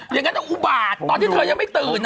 ยังงั้นมันอุบาตตอนที่เธอยังไม่ตื่น